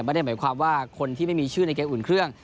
ไม่ได้หมายความว่าคนที่ไม่มีชื่อในเกมอุ่นเครื่อง